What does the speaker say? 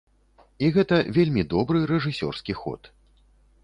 І гэта вельмі добры рэжысёрскі ход.